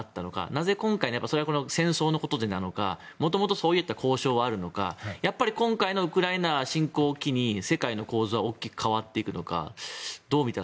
なぜ今回、戦争のことでなのかもともとそういう交渉があるのかやっぱり、今回のウクライナ侵攻を機に世界の構図は大きく変わってくるのか